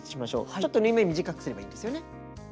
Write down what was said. ちょっと縫い目を短くすればいいんですよね。